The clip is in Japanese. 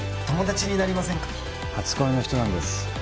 友達になりませんか・初恋の人なんです